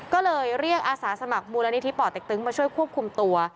ก็เลยเรียกอาสาสมัครมูลนิธิป่อเต็กตึงมาช่วยควบคุมตัว